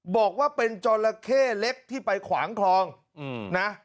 บอกว่าเป็นจราเข้เล็กที่ไปขวางคลองนะ